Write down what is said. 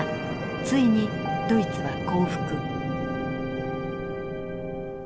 ついにドイツは降伏。